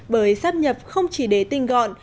bởi sắp nhập không chỉ để tinh gọn